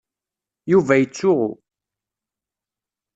Yuba yettsuɣu.